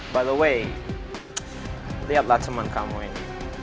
btw lihatlah teman kamu ini